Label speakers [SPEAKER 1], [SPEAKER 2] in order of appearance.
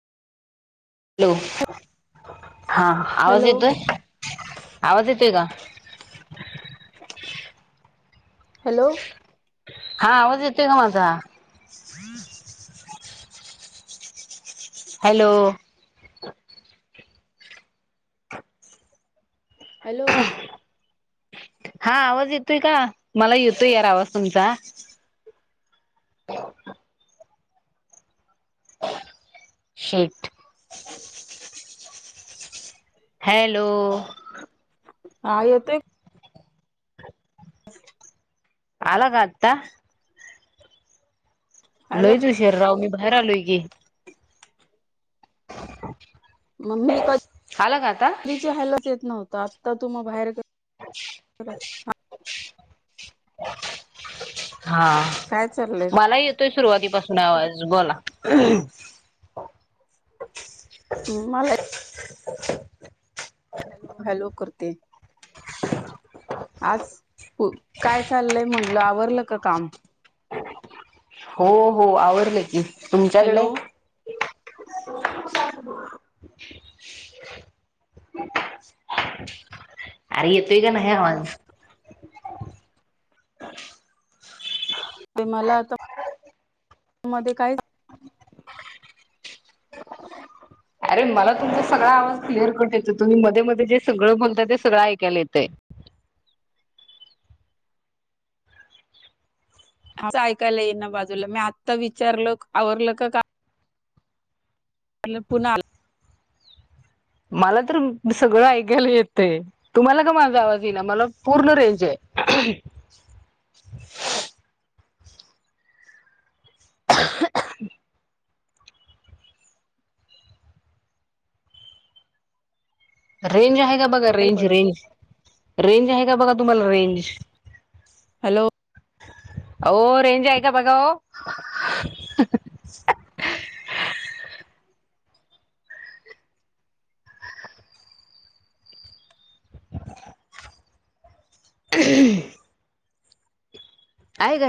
[SPEAKER 1] Hello. हा, आवाज
[SPEAKER 2] hello
[SPEAKER 1] येतोय? आवाज येतोय का?
[SPEAKER 2] हॅलो
[SPEAKER 1] हा आवाज येतोय का माझा.
[SPEAKER 2] [inaudible]
[SPEAKER 1] हॅलो!
[SPEAKER 2] हॅलो
[SPEAKER 1] हा आवाज येतोय का? मला येतोय यार आवाज तुमच. [unintelligible] Sheet
[SPEAKER 2] [inaudible]
[SPEAKER 1] hello!
[SPEAKER 2] हा येतय.
[SPEAKER 1] आला का आता?
[SPEAKER 2] हॅलो
[SPEAKER 1] लईच उशीर राव मी बाहेर आलोय की.
[SPEAKER 2] मग मी कधी
[SPEAKER 1] आला का आता
[SPEAKER 2] कधी ची हॅलो च येत नव्ह आता तू म बाहेर
[SPEAKER 1] हां
[SPEAKER 2] काय चाललंय
[SPEAKER 1] मला येतोय सुरुवातीपासून आवाज. बोला
[SPEAKER 2] मला
[SPEAKER 1] [unintelligible]
[SPEAKER 2] हॅलो करते. आज काय चाललय म्हंटल आवरलं का काम? [inaudible]
[SPEAKER 1] हो हो आवरले की.
[SPEAKER 2] हॅलो
[SPEAKER 1] तुमच्याकडे? अरे येतोय का नाही आवाज?
[SPEAKER 2] ते मला आता मध्ये काय?
[SPEAKER 1] अरे मला तुमचा सगळा आवाज क्लिअर कट येतो, तुम्ही मध्ये मध्ये जे सगळं बोलताय ते सगळं ऐकायला येतय.
[SPEAKER 2] [inaudible] असं ऐकायला येई ना बाजूला. मी आत्ता विचारल आवरलं क का पुन्हा आला.
[SPEAKER 1] मला तर सगळं ऐकायला येतंय तुम्हाला का माझा आवाज येई ना मला पूर्ण रेंज आहे. [unintelligible]
[SPEAKER 2] [inaudible]
[SPEAKER 1] [unintelligible] रेंज आहे का बघा
[SPEAKER 2] आला
[SPEAKER 1] रेंज,
[SPEAKER 2] परत
[SPEAKER 1] रेंज, रेंज आहे का बघा तुम्हाला रेंज?
[SPEAKER 2] हॅलो
[SPEAKER 1] अहो रेंज आहे का बघा हो.
[SPEAKER 2] [inaudible]
[SPEAKER 1] [unintelligible] [unintelligible] आहे काय?